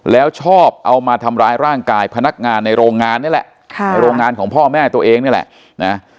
แล้วชอบเอามาทำร้ายร่างกายพนักงานในโรงงานนี่แหละในโรงงานของพ่อแม่ตัวเองนี่แหละนะ